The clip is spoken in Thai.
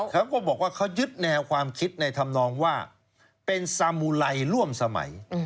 เขาก็บอกว่าเขายึดแนวความคิดในธรรมนองว่าเป็นสามุไรร่วมสมัย